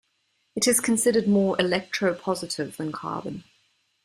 It is considerably more electropositive than carbon.